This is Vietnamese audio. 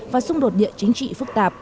và xung đột địa chính trị phức tạp